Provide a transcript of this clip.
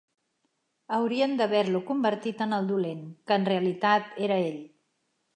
Haurien d'haver-lo convertit en el dolent, que en realitat era ell.